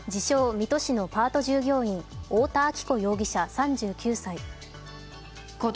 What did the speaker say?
・水戸市のパート従業員、太田亜紀子容疑者３９歳。